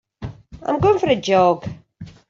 I'm going to go for a jog.